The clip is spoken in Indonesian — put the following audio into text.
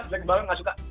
sebagus bagus gak suka